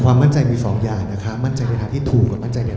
ความมั่นใจมีสองอย่างนะคะมั่นใจในนั้นที่ถูกกับมั่นในที่ผิด